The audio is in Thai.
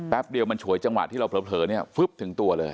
เดียวมันฉวยจังหวะที่เราเผลอเนี่ยฟึ๊บถึงตัวเลย